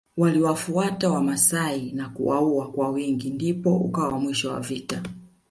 Waliwafuata wamasai na kuwaua kwa wingi ndipo ukawa mwisho wa vita